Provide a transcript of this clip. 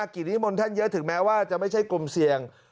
กิจนิมนต์ท่านเยอะถึงแม้ว่าจะไม่ใช่กลุ่มเสี่ยง